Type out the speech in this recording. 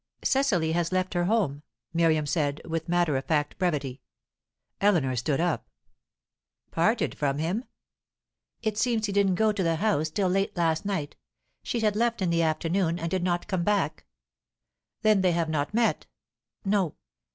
"Cecily has left her home," Miriam said, with matter of fact brevity. Eleanor stood up. "Parted from him?" "It seems be didn't go to the house till late last night. She had left in the afternoon, and did not come back." "Then they have not met?". "No."